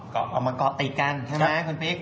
ก็เอามาเกาะติดกันใช่ไหมคุณปิ๊ก